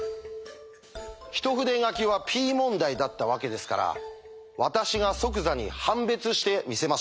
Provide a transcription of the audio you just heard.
一筆書きはＰ問題だったわけですから私が即座に判別してみせましょう。